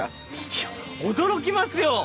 いや驚きますよ！